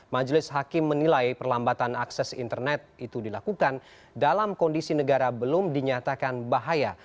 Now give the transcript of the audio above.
majelis hakim menilai perlambatan akses internet itu dilakukan dalam kondisi negara belum dinyatakan bahaya